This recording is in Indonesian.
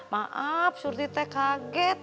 maaf surti teh kaget